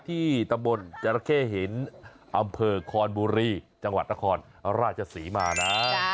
ที่ตระบนจะแค่เห็นอำเภอคอนบุรีจังหวัดถฑครราชสีมานะ